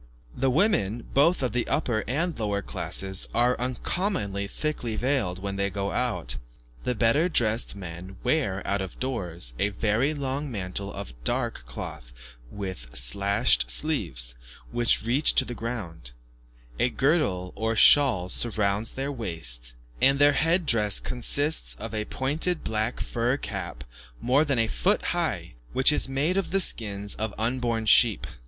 The women, both of the upper and lower classes, are uncommonly thickly veiled when they go out. The better dressed men wear, out of doors, a very long mantle of dark cloth with slashed sleeves, which reach to the ground; a girdle or shawl surrounds their waist, and their head dress consists of a pointed black fur cap more than a foot high, which is made of the skins of unborn sheep.